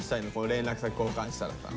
連絡先交換したらさ。